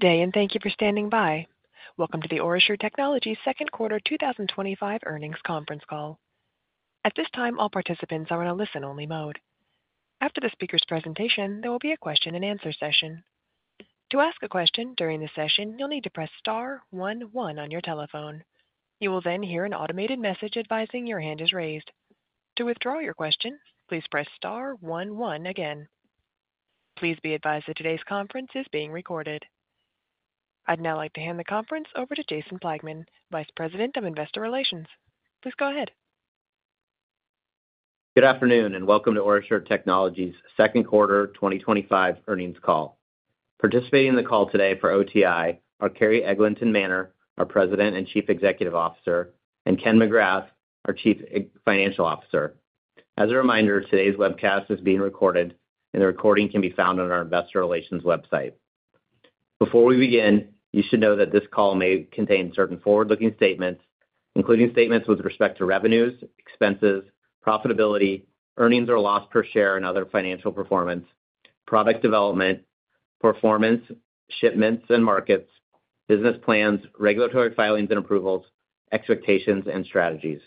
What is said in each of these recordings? Good day, and thank you for standing by. Welcome to the OraSure Technologies second quarter 2025 earnings conference call. At this time, all participants are in a listen-only mode. After the speaker's presentation, there will be a question-and-answer session. To ask a question during this session, you'll need to press *11 on your telephone. You will then hear an automated message advising your hand is raised. To withdraw your question, please press *11 again. Please be advised that today's conference is being recorded. I'd now like to hand the conference over to Jason Plagman, Vice President of Investor Relations. Please go ahead. Good afternoon, and welcome to OraSure Technologies' second quarter 2025 earnings call. Participating in the call today for OTI are Carrie Eglinton-Manner, our President and Chief Executive Officer, and Ken McGrath, our Chief Financial Officer. As a reminder, today's webcast is being recorded, and the recording can be found on our Investor Relations website. Before we begin, you should know that this call may contain certain forward-looking statements, including statements with respect to revenues, expenses, profitability, earnings or loss per share, and other financial performance, product development, performance, shipments, and markets, business plans, regulatory filings and approvals, expectations, and strategies.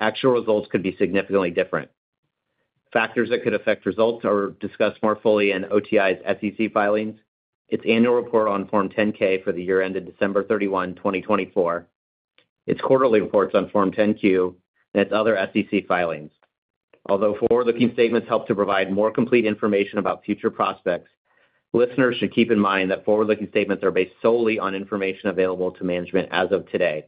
Actual results could be significantly different. Factors that could affect results are discussed more fully in OTI's SEC filings, its annual report on Form 10-K for the year ended December 31, 2024, its quarterly reports on Form 10-Q, and its other SEC filings. Although forward-looking statements help to provide more complete information about future prospects, listeners should keep in mind that forward-looking statements are based solely on information available to management as of today.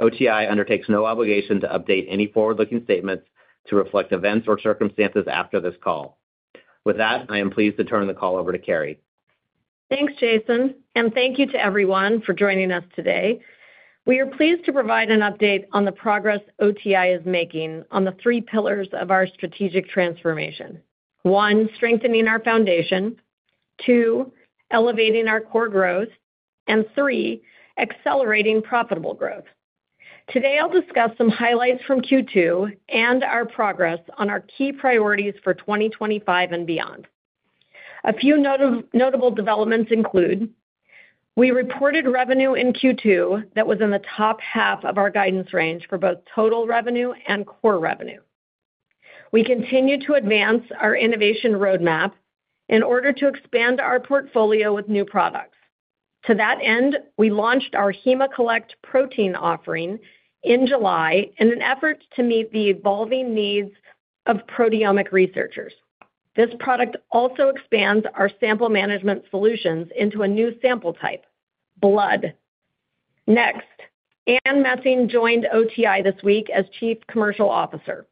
OTI undertakes no obligation to update any forward-looking statements to reflect events or circumstances after this call. With that, I am pleased to turn the call over to Carrie. Thanks, Jason, and thank you to everyone for joining us today. We are pleased to provide an update on the progress OTI is making on the three pillars of our strategic transformation: one, strengthening our foundation; two, elevating our core growth; and three, accelerating profitable growth. Today, I'll discuss some highlights from Q2 and our progress on our key priorities for 2025 and beyond. A few notable developments include: we reported revenue in Q2 that was in the top half of our guidance range for both total revenue and core revenue. We continue to advance our innovation roadmap in order to expand our portfolio with new products. To that end, we launched our HEMA Collect protein offering in July in an effort to meet the evolving needs of proteomic researchers. This product also expands our sample management solutions into a new sample type: blood. Next, Anne Messing joined OTI this week as Chief Commercial Officer.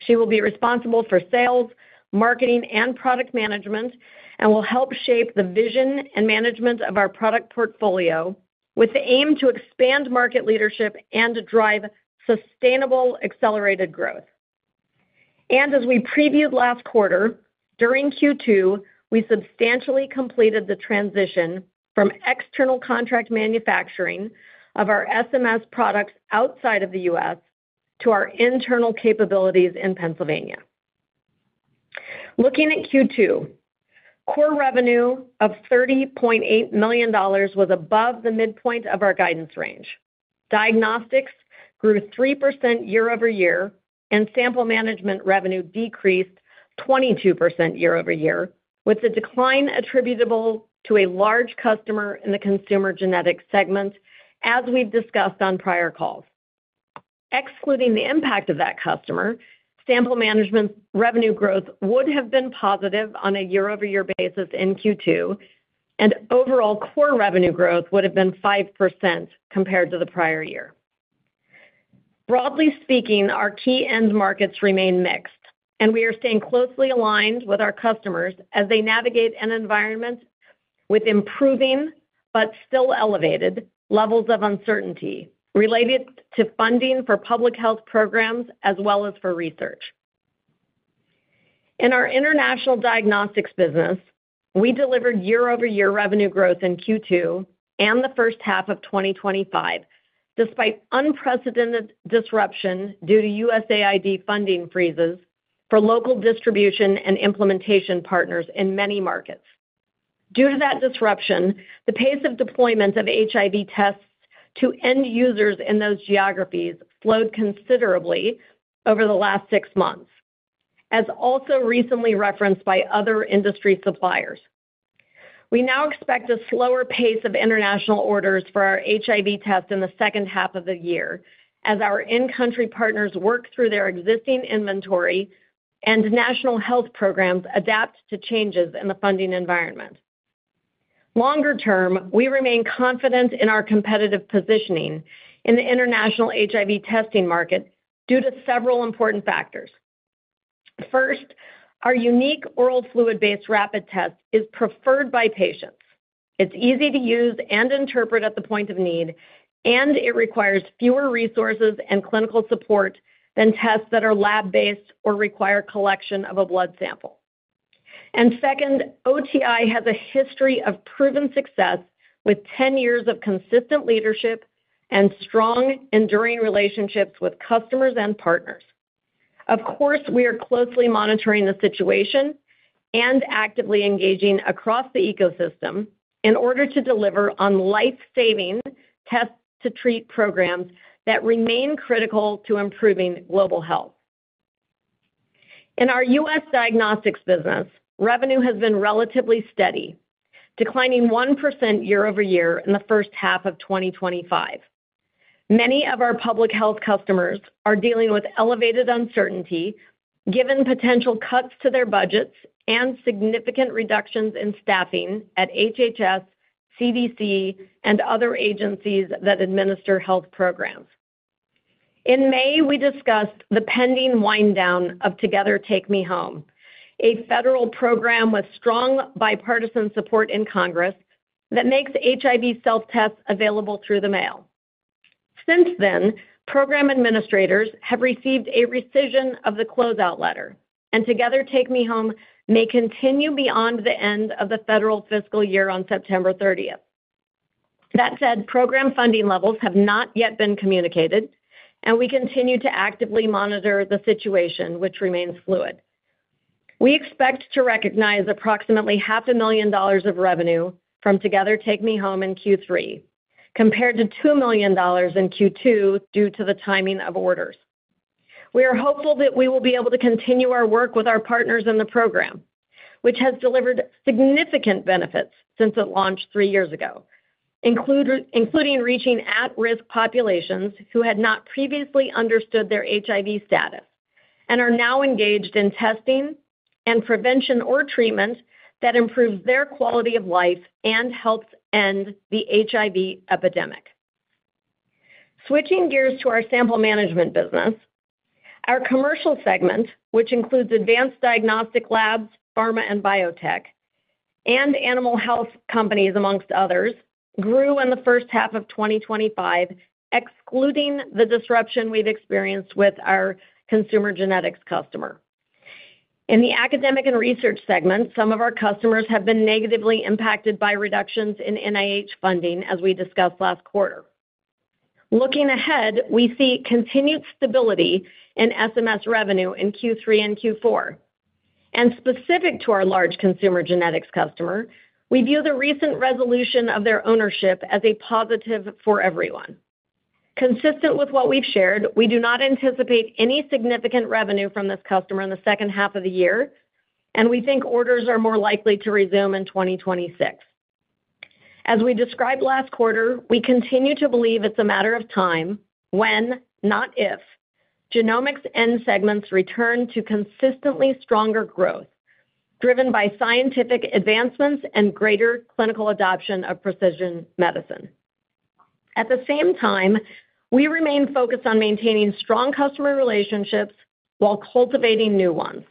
She will be responsible for sales, marketing, and product management and will help shape the vision and management of our product portfolio with the aim to expand market leadership and drive sustainable, accelerated growth. As we previewed last quarter, during Q2, we substantially completed the transition from external contract manufacturing of our SMS products outside of the United States to our internal capabilities in Pennsylvania. Looking at Q2, core revenue of $30.8 million was above the midpoint of our guidance range. Diagnostics grew 3% year over year, and sample management revenue decreased 22% year over year, with a decline attributable to a large customer in the consumer genetics segment, as we discussed on prior calls. Excluding the impact of that customer, sample management revenue growth would have been positive on a year-over-year basis in Q2, and overall core revenue growth would have been 5% compared to the prior year. Broadly speaking, our key end markets remain mixed, and we are staying closely aligned with our customers as they navigate an environment with improving but still elevated levels of uncertainty related to funding for public health programs as well as for research. In our international diagnostics business, we delivered year-over-year revenue growth in Q2 and the first half of 2025, despite unprecedented disruption due to USAID funding freezes for local distribution and implementation partners in many markets. Due to that disruption, the pace of deployment of HIV tests to end users in those geographies slowed considerably over the last six months, as also recently referenced by other industry suppliers. We now expect a slower pace of international orders for our HIV tests in the second half of the year as our in-country partners work through their existing inventory and national health programs adapt to changes in the funding environment. Longer term, we remain confident in our competitive positioning in the international HIV testing market due to several important factors. First, our unique oral fluid-based rapid test is preferred by patients. It's easy to use and interpret at the point of need, and it requires fewer resources and clinical support than tests that are lab-based or require collection of a blood sample. Second, OraSure Technologies, Inc. has a history of proven success with 10 years of consistent leadership and strong, enduring relationships with customers and partners. Of course, we are closely monitoring the situation and actively engaging across the ecosystem in order to deliver on life-saving test-to-treat programs that remain critical to improving global health. In our U.S. diagnostics business, revenue has been relatively steady, declining 1% year over year in the first half of 2025. Many of our public health customers are dealing with elevated uncertainty given potential cuts to their budgets and significant reductions in staffing at HHS, CDC, and other agencies that administer health programs. In May, we discussed the pending wind-down of Together Take Me Home, a federal program with strong bipartisan support in Congress that makes HIV self-tests available through the mail. Since then, program administrators have received a rescission of the closeout letter, and Together Take Me Home may continue beyond the end of the federal fiscal year on September 30th. That said, program funding levels have not yet been communicated, and we continue to actively monitor the situation, which remains fluid. We expect to recognize approximately $0.5 million of revenue from Together Take Me Home in Q3, compared to $2 million in Q2 due to the timing of orders. We are hopeful that we will be able to continue our work with our partners in the program, which has delivered significant benefits since it launched three years ago, including reaching at-risk populations who had not previously understood their HIV status and are now engaged in testing and prevention or treatment that improves their quality of life and helps end the HIV epidemic. Switching gears to our sample management solutions business, our commercial segment, which includes advanced diagnostic labs, pharma, biotech, and animal health companies, amongst others, grew in the first half of 2025, excluding the disruption we've experienced with our consumer genetics customer. In the academic and research segment, some of our customers have been negatively impacted by reductions in NIH funding, as we discussed last quarter. Looking ahead, we see continued stability in SMS revenue in Q3 and Q4. Specific to our large consumer genetics customer, we view the recent resolution of their ownership as a positive for everyone. Consistent with what we've shared, we do not anticipate any significant revenue from this customer in the second half of the year, and we think orders are more likely to resume in 2026. As we described last quarter, we continue to believe it's a matter of time, when, not if, genomics and segments return to consistently stronger growth, driven by scientific advancements and greater clinical adoption of precision medicine. At the same time, we remain focused on maintaining strong customer relationships while cultivating new ones.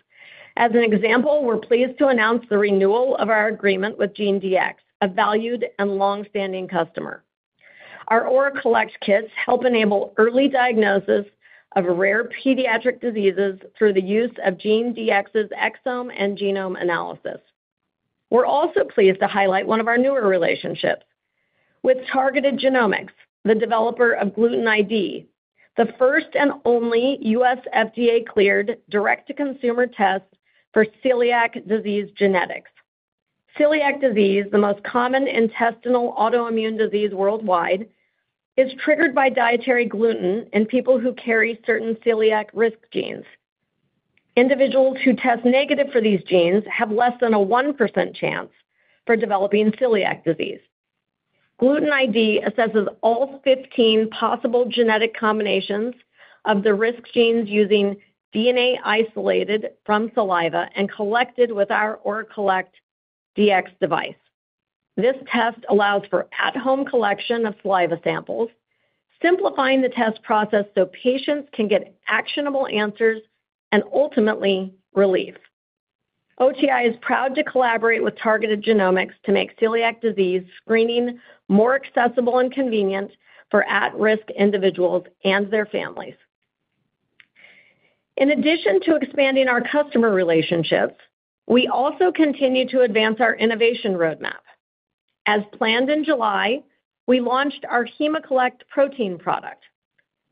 As an example, we're pleased to announce the renewal of our agreement with GeneDx, a valued and longstanding customer. Our OraCollect kits help enable early diagnosis of rare pediatric diseases through the use of GeneDx's exome and genome analysis. We're also pleased to highlight one of our newer relationships, with Targeted Genomics, the developer of Gluten-ID, the first and only U.S. FDA-cleared direct-to-consumer test for celiac disease genetics. Celiac disease, the most common intestinal autoimmune disease worldwide, is triggered by dietary gluten in people who carry certain celiac risk genes. Individuals who test negative for these genes have less than a 1% chance for developing celiac disease. Gluten-ID assesses all 15 possible genetic combinations of the risk genes using DNA isolated from saliva and collected with our OraCollect Dx device. This test allows for at-home collection of saliva samples, simplifying the test process so patients can get actionable answers and ultimately relief. OTI is proud to collaborate with Targeted Genomics to make celiac disease screening more accessible and convenient for at-risk individuals and their families. In addition to expanding our customer relationships, we also continue to advance our innovation roadmap. As planned in July, we launched our HEMA Collect protein product.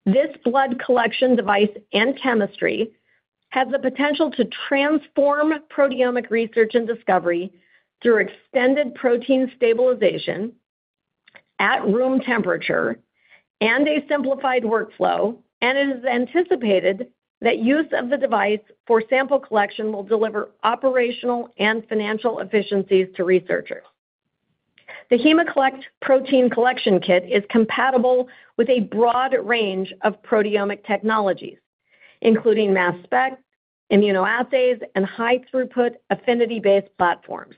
This blood collection device and chemistry have the potential to transform proteomic research and discovery through extended protein stabilization at room temperature and a simplified workflow, and it is anticipated that use of the device for sample collection will deliver operational and financial efficiencies to researchers. The HEMA Collect protein collection kit is compatible with a broad range of proteomic technologies, including mass spec, immunoassays, and high-throughput affinity-based platforms.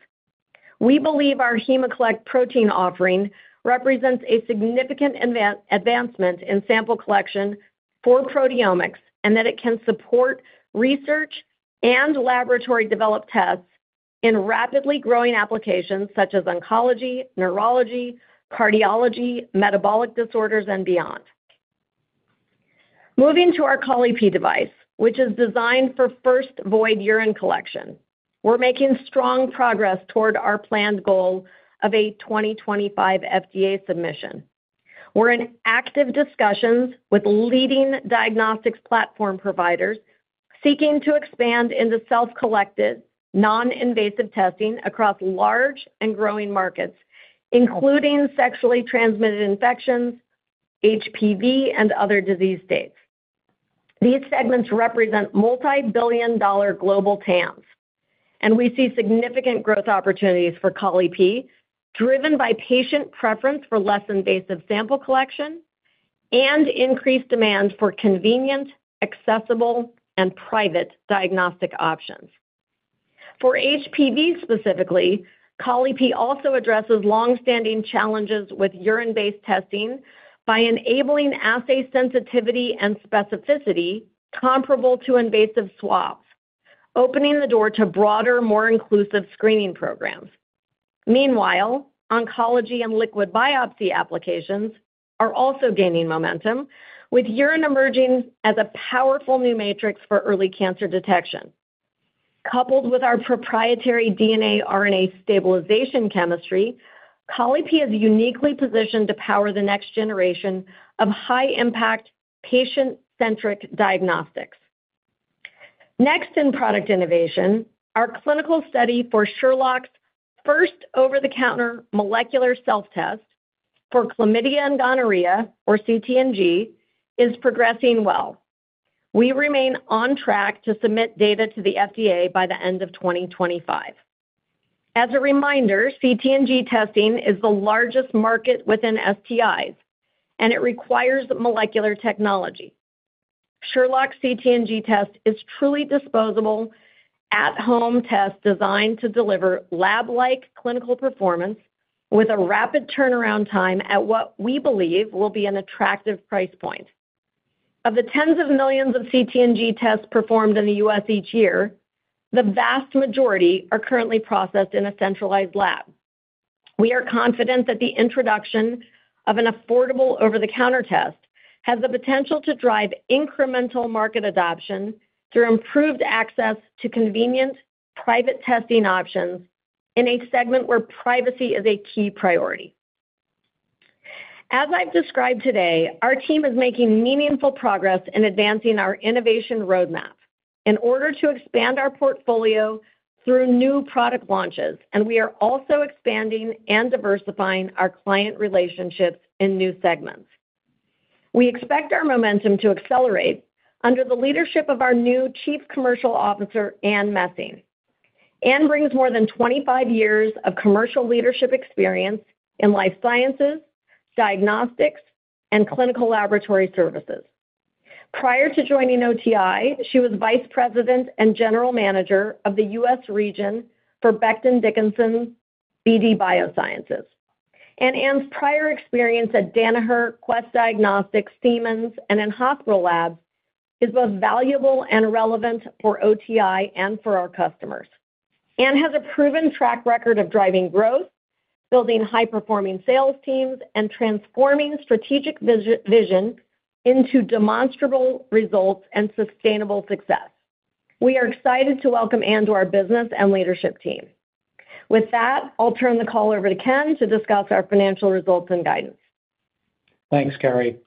We believe our HEMA Collect protein offering represents a significant advancement in sample collection for proteomics and that it can support research and laboratory-developed tests in rapidly growing applications such as oncology, neurology, cardiology, metabolic disorders, and beyond. Moving to our ColiP device, which is designed for first void urine collection, we're making strong progress toward our planned goal of a 2025 FDA submission. We're in active discussions with leading diagnostics platform providers seeking to expand into self-collected, non-invasive testing across large and growing markets, including sexually transmitted infections, HPV, and other disease states. These segments represent multi-billion-dollar global TAMs, and we see significant growth opportunities for ColiP, driven by patient preference for less invasive sample collection and increased demand for convenient, accessible, and private diagnostic options. For HPV specifically, ColiP also addresses longstanding challenges with urine-based testing by enabling assay sensitivity and specificity comparable to invasive swabs, opening the door to broader, more inclusive screening programs. Meanwhile, oncology and liquid biopsy applications are also gaining momentum, with urine emerging as a powerful new matrix for early cancer detection. Coupled with our proprietary DNA-RNA stabilization chemistry, ColiP is uniquely positioned to power the next generation of high-impact, patient-centric diagnostics. Next in product innovation, our clinical study for SHERLOCK's first over-the-counter molecular self-test for chlamydia and gonorrhea, or cTNG, is progressing well. We remain on track to submit data to the FDA by the end of 2025. As a reminder, cTNG testing is the largest market within STIs, and it requires molecular technology. SHERLOCK's cTNG test is a truly disposable, at-home test designed to deliver lab-like clinical performance with a rapid turnaround time at what we believe will be an attractive price point. Of the tens of millions of cTNG tests performed in the U.S. each year, the vast majority are currently processed in a centralized lab. We are confident that the introduction of an affordable over-the-counter test has the potential to drive incremental market adoption through improved access to convenient, private testing options in a segment where privacy is a key priority. As I've described today, our team is making meaningful progress in advancing our innovation roadmap in order to expand our portfolio through new product launches, and we are also expanding and diversifying our client relationships in new segments. We expect our momentum to accelerate under the leadership of our new Chief Commercial Officer, Anne Messing. Anne brings more than 25 years of commercial leadership experience in life sciences, diagnostics, and clinical laboratory services. Prior to joining OraSure Technologies, Inc., she was Vice President and General Manager of the U.S. region for Becton Dickinson BD Biosciences. Anne's prior experience at Danaher, Quest Diagnostics, Siemens, and in hospital labs is both valuable and relevant for OraSure Technologies, Inc. and for our customers. Anne has a proven track record of driving growth, building high-performing sales teams, and transforming strategic vision into demonstrable results and sustainable success. We are excited to welcome Anne to our business and leadership team. With that, I'll turn the call over to Ken to discuss our financial results and guidance. Thanks, Carrie.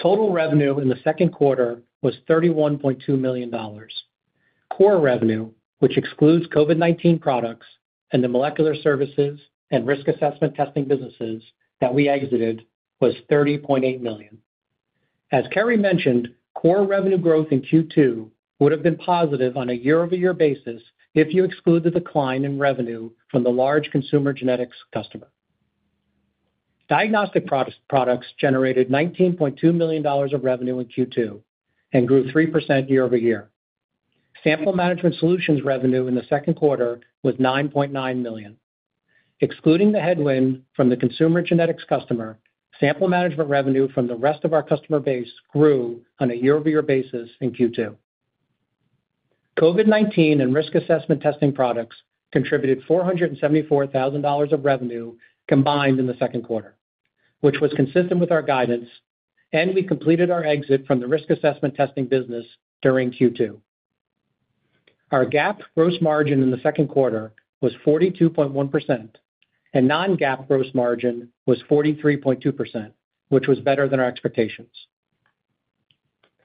Total revenue in the second quarter was $31.2 million. Core revenue, which excludes COVID-19 products and the molecular services and risk assessment testing businesses that we exited, was $30.8 million. As Carrie mentioned, core revenue growth in Q2 would have been positive on a year-over-year basis if you exclude the decline in revenue from the large consumer genetics customer. Diagnostic products generated $19.2 million of revenue in Q2 and grew 3% year over year. Sample management solutions revenue in the second quarter was $9.9 million. Excluding the headwind from the consumer genetics customer, sample management revenue from the rest of our customer base grew on a year-over-year basis in Q2. COVID-19 and risk assessment testing products contributed $474,000 of revenue combined in the second quarter, which was consistent with our guidance, and we completed our exit from the risk assessment testing business during Q2. Our GAAP gross margin in the second quarter was 42.1%, and non-GAAP gross margin was 43.2%, which was better than our expectations.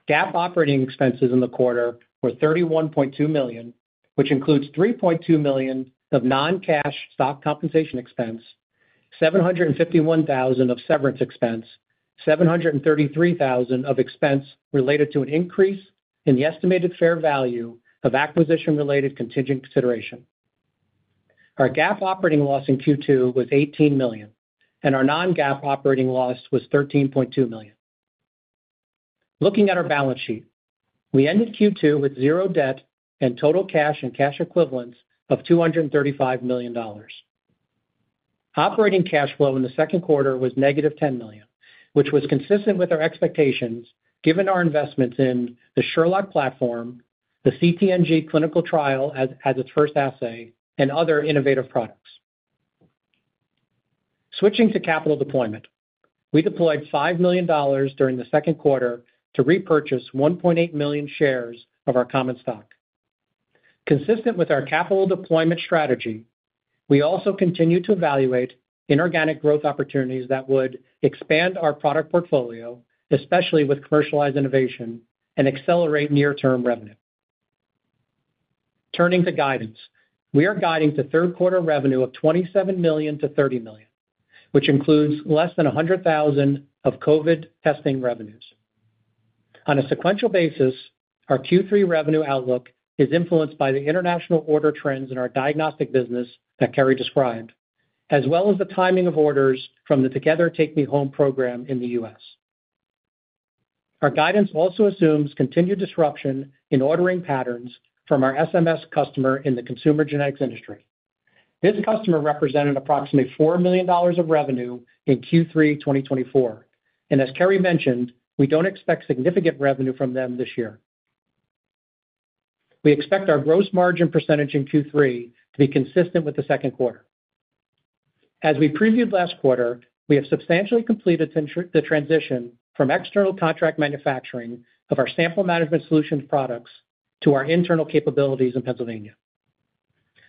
GAAP operating expenses in the quarter were $31.2 million, which includes $3.2 million of non-cash stock compensation expense, $751,000 of severance expense, and $733,000 of expense related to an increase in the estimated fair value of acquisition-related contingent consideration. Our GAAP operating loss in Q2 was $18 million, and our non-GAAP operating loss was $13.2 million. Looking at our balance sheet, we ended Q2 with zero debt and total cash and cash equivalents of $235 million. Operating cash flow in the second quarter was negative $10 million, which was consistent with our expectations given our investments in the SHERLOCK platform, the cTNG clinical trial as its first assay, and other innovative products. Switching to capital deployment, we deployed $5 million during the second quarter to repurchase 1.8 million shares of our common stock. Consistent with our capital deployment strategy, we also continue to evaluate inorganic growth opportunities that would expand our product portfolio, especially with commercialized innovation, and accelerate near-term revenue. Turning to guidance, we are guiding to third quarter revenue of $27 million to $30 million, which includes less than $100,000 of COVID testing revenues. On a sequential basis, our Q3 revenue outlook is influenced by the international order trends in our diagnostic business that Carrie described, as well as the timing of orders from the Together Take Me Home program in the U.S. Our guidance also assumes continued disruption in ordering patterns from our SMS customer in the consumer genetics industry. This customer represented approximately $4 million of revenue in Q3 2024, and as Carrie mentioned, we don't expect significant revenue from them this year. We expect our gross margin % in Q3 to be consistent with the second quarter. As we previewed last quarter, we have substantially completed the transition from external contract manufacturing of our sample management solutions products to our internal capabilities in Pennsylvania.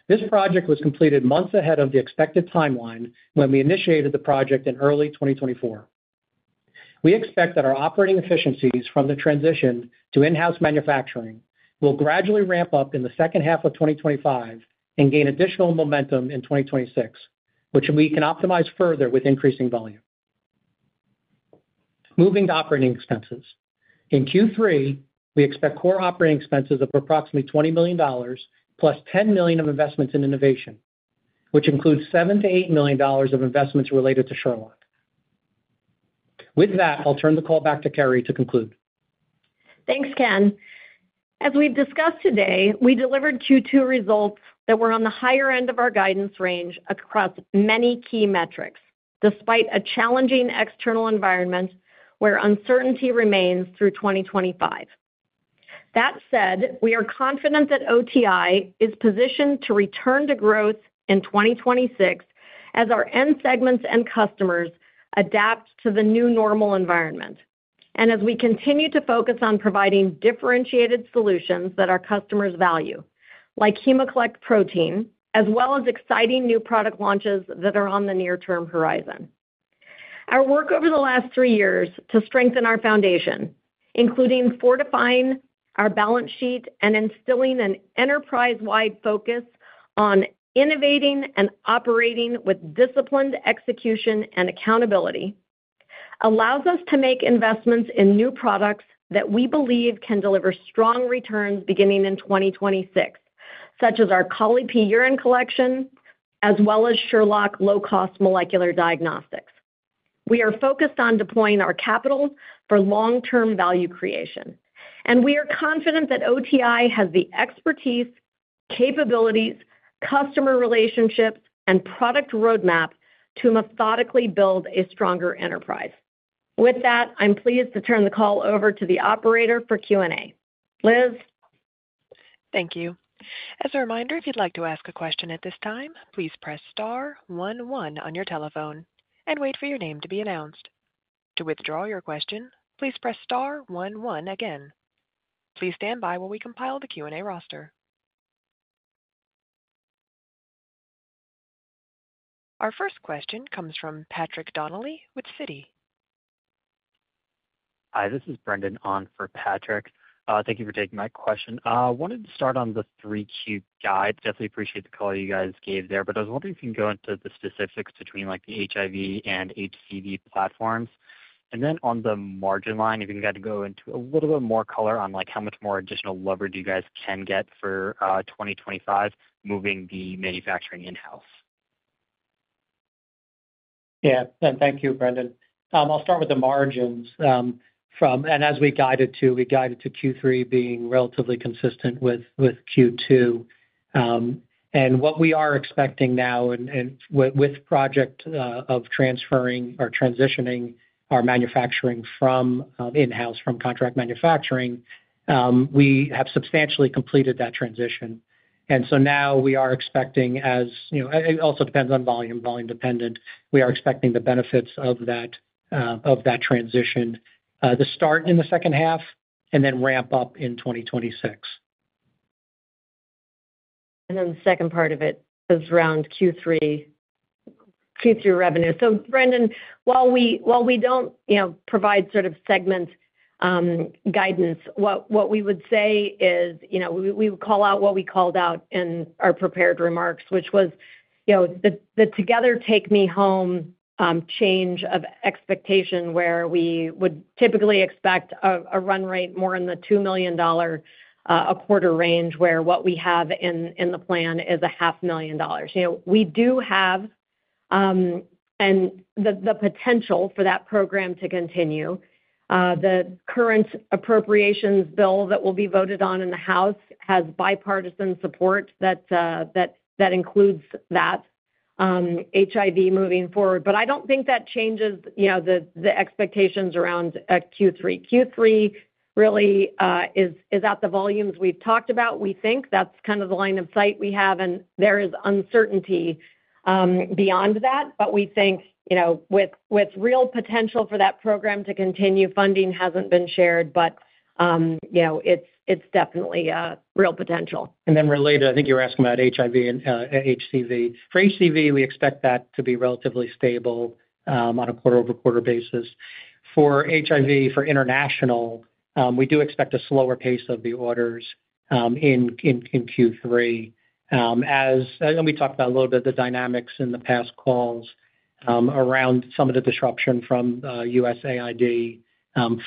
This project was completed months ahead of the expected timeline when we initiated the project in early 2024. We expect that our operating efficiencies from the transition to in-house manufacturing will gradually ramp up in the second half of 2025 and gain additional momentum in 2026, which we can optimize further with increasing volume. Moving to operating expenses, in Q3, we expect core operating expenses of approximately $20 million, plus $10 million of investments in innovation, which includes $7-$8 million of investments related to SHERLOCK. With that, I'll turn the call back to Carrie to conclude. Thanks, Ken. As we discussed today, we delivered Q2 results that were on the higher end of our guidance range across many key metrics, despite a challenging external environment where uncertainty remains through 2025. That said, we are confident that OraSure Technologies, Inc. is positioned to return to growth in 2026 as our end segments and customers adapt to the new normal environment and as we continue to focus on providing differentiated solutions that our customers value, like HEMA Collect protein, as well as exciting new product launches that are on the near-term horizon. Our work over the last three years to strengthen our foundation, including fortifying our balance sheet and instilling an enterprise-wide focus on innovating and operating with disciplined execution and accountability, allows us to make investments in new products that we believe can deliver strong returns beginning in 2026, such as our ColiP urine collection, as well as SHERLOCK low-cost molecular diagnostics. We are focused on deploying our capital for long-term value creation, and we are confident that OraSure Technologies, Inc. has the expertise, capabilities, customer relationships, and product roadmap to methodically build a stronger enterprise. With that, I'm pleased to turn the call over to the operator for Q&A. Liz. Thank you. As a reminder, if you'd like to ask a question at this time, please press *11 on your telephone and wait for your name to be announced. To withdraw your question, please press *11 again. Please stand by while we compile the Q&A roster. Our first question comes from Patrick Donnelly with Citi. Hi, this is Brendan on for Patrick. Thank you for taking my question. I wanted to start on the 3Q guide. Definitely appreciate the call you guys gave there, but I was wondering if you can go into the specifics between like the HIV and HCV platforms. On the margin line, if you can kind of go into a little bit more color on like how much more additional leverage you guys can get for 2025, moving the manufacturing in-house. Thank you, Brendan. I'll start with the margins. As we guided to, we guided to Q3 being relatively consistent with Q2. What we are expecting now, with the project of transferring or transitioning our manufacturing from in-house, from contract manufacturing, we have substantially completed that transition. Now we are expecting, as you know, it also depends on volume, volume dependent. We are expecting the benefits of that transition to start in the second half and then ramp up in 2026. The second part of it is around Q3 revenue. Brendan, while we don't provide sort of segment guidance, what we would say is, we would call out what we called out in our prepared remarks, which was the Together Take Me Home change of expectation where we would typically expect a run rate more in the $2 million a quarter range, where what we have in the plan is $0.5 million. We do have the potential for that program to continue. The current appropriations bill that will be voted on in the House has bipartisan support that includes that HIV moving forward. I don't think that changes the expectations around Q3. Q3 really is at the volumes we've talked about. We think that's kind of the line of sight we have, and there is uncertainty beyond that. We think with real potential for that program to continue, funding hasn't been shared, but it's definitely a real potential. Related, I think you're asking about HIV and HCV. For HCV, we expect that to be relatively stable on a quarter-over-quarter basis. For HIV, for international, we do expect a slower pace of the orders in Q3. As we talked about a little bit, the dynamics in the past calls around some of the disruption from USAID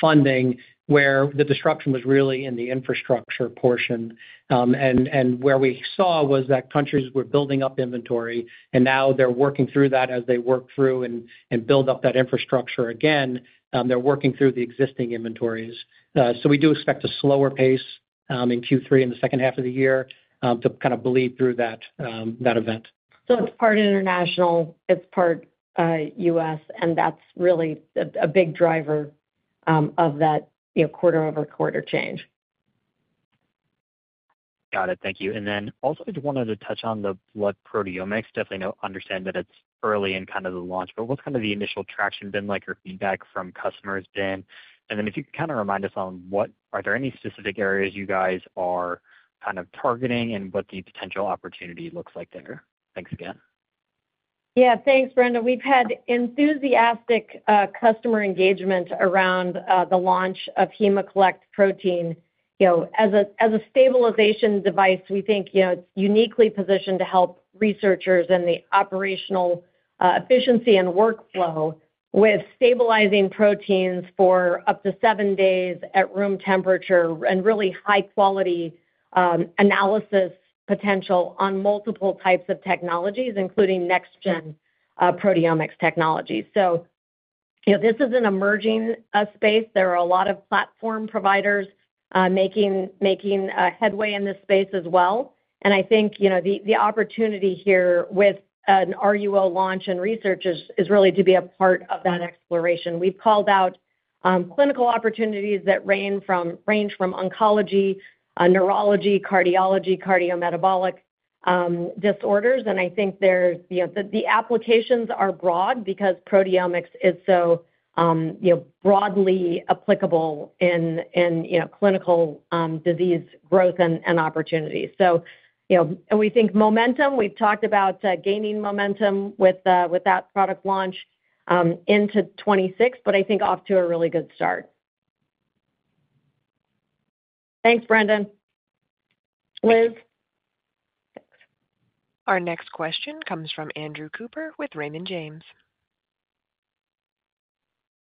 funding, where the disruption was really in the infrastructure portion. What we saw was that countries were building up inventory, and now they're working through that as they work through and build up that infrastructure again. They're working through the existing inventories. We do expect a slower pace in Q3 in the second half of the year to kind of bleed through that event. It is part international, it is part U.S., and that is really a big driver of that quarter-over-quarter change. Got it. Thank you. I just wanted to touch on the blood proteomics. Definitely understand that it's early in kind of the launch, but what's kind of the initial traction been like or feedback from customers been? If you can kind of remind us on what are there any specific areas you guys are kind of targeting and what the potential opportunity looks like there? Thanks again. Yeah, thanks, Brendan. We've had enthusiastic customer engagement around the launch of HEMA Collect protein. As a stabilization device, we think it's uniquely positioned to help researchers in the operational efficiency and workflow with stabilizing proteins for up to seven days at room temperature and really high-quality analysis potential on multiple types of technologies, including next-gen proteomics technologies. This is an emerging space. There are a lot of platform providers making headway in this space as well. I think the opportunity here with an RUO launch and research is really to be a part of that exploration. We've called out clinical opportunities that range from oncology, neurology, cardiology, cardiometabolic disorders. The applications are broad because proteomics is so broadly applicable in clinical disease growth and opportunities. We think momentum. We've talked about gaining momentum with that product launch into 2026, but I think off to a really good start. Thanks, Brendan. Liz? Our next question comes from Andrew Cooper with Raymond James.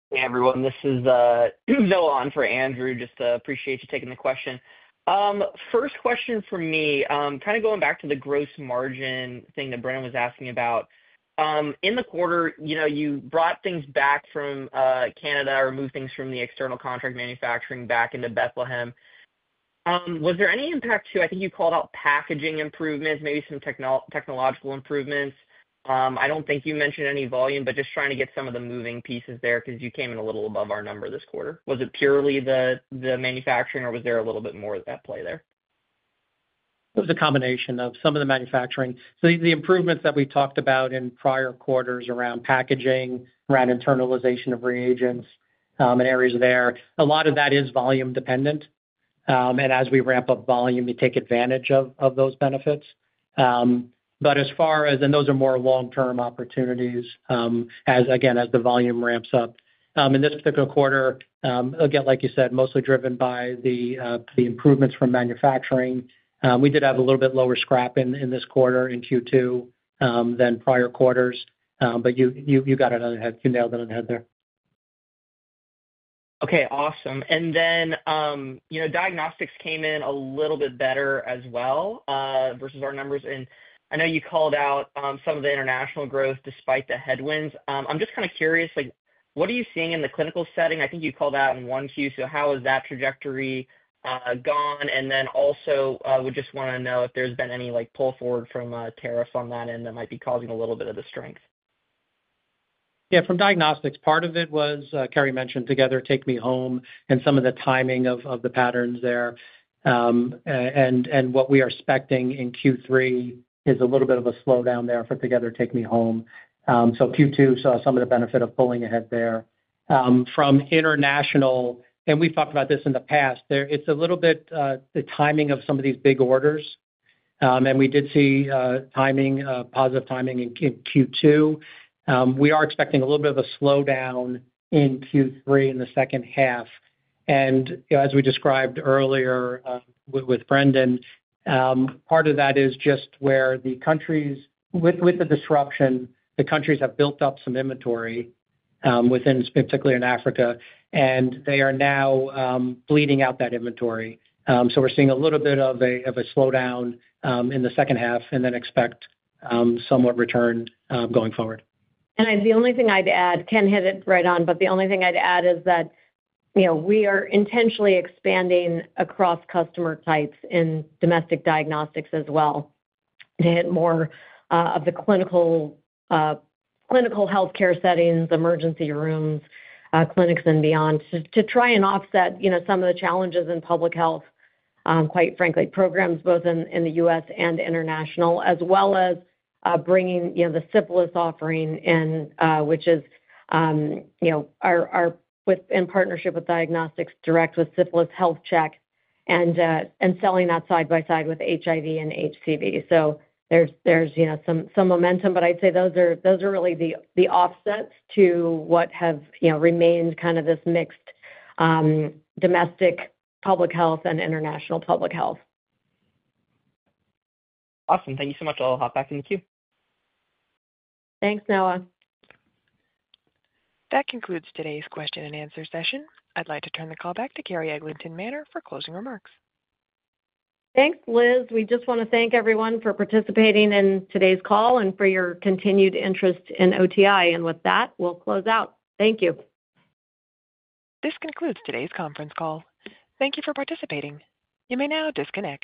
Hey, everyone. This is Noah on for Andrew. Appreciate you taking the question. First question for me, kind of going back to the gross margin thing that Brendan was asking about. In the quarter, you brought things back from Canada, removed things from the external contract manufacturing back into Bethlehem. Was there any impact to, I think you called out packaging improvements, maybe some technological improvements? I don't think you mentioned any volume, just trying to get some of the moving pieces there because you came in a little above our number this quarter. Was it purely the manufacturing, or was there a little bit more at play there? It was a combination of some of the manufacturing. The improvements that we've talked about in prior quarters around packaging, around internalization of reagents, and areas there, a lot of that is volume-dependent. As we ramp up volume, we take advantage of those benefits. As far as those are more long-term opportunities, as the volume ramps up. In this particular quarter, like you said, mostly driven by the improvements from manufacturing. We did have a little bit lower scrap in this quarter in Q2 than prior quarters, but you got it on the head. You nailed it on the head there. Okay, awesome. Diagnostics came in a little bit better as well versus our numbers. I know you called out some of the international growth despite the headwinds. I'm just kind of curious, what are you seeing in the clinical setting? I think you called out in one too, so how has that trajectory gone? We just want to know if there's been any pull forward from tariffs on that end that might be causing a little bit of the strength. Yeah, from diagnostics, part of it was, Carrie mentioned, Together Take Me Home and some of the timing of the patterns there. What we are expecting in Q3 is a little bit of a slowdown there for Together Take Me Home. Q2 saw some of the benefit of pulling ahead there. From international, and we've talked about this in the past, it's a little bit the timing of some of these big orders. We did see positive timing in Q2. We are expecting a little bit of a slowdown in Q3 in the second half. As we described earlier with Brendan, part of that is just where the countries, with the disruption, the countries have built up some inventory within, particularly in Africa, and they are now bleeding out that inventory. We're seeing a little bit of a slowdown in the second half and then expect somewhat return going forward. The only thing I'd add, Ken hit it right on, but the only thing I'd add is that we are intentionally expanding across customer types in domestic diagnostics as well to hit more of the clinical healthcare settings, emergency rooms, clinics, and beyond to try and offset some of the challenges in public health, quite frankly, programs both in the U.S. and international, as well as bringing the syphilis offering in, which is our partnership with Diagnostics Direct with Syphilis Health Check and selling that side by side with HIV and HCV. There's some momentum, but I'd say those are really the offsets to what have remained kind of this mixed domestic public health and international public health. Awesome. Thank you so much. I'll hop back in the queue. Thanks, Noah. That concludes today's question and answer session. I'd like to turn the call back to Carrie Eglinton-Manner for closing remarks. Thanks, Liz. We just want to thank everyone for participating in today's call and for your continued interest in OraSure Technologies, Inc. With that, we'll close out. Thank you. This concludes today's conference call. Thank you for participating. You may now disconnect.